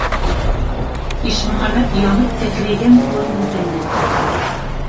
«Ишмөхәмәт» янып кәкрәйгән ҡулын һелтәне: